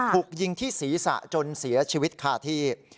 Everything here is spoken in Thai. ถูกยิงที่ศีรษะจนเสียชีวิตคาที่